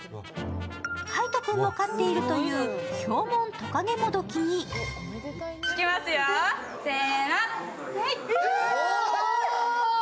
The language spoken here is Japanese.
海音君も飼っているというヒョウモントカゲモドキにいきますよ、せーの、はい！